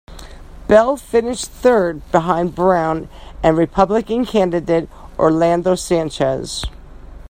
Bell finished third behind Brown and Republican candidate Orlando Sanchez.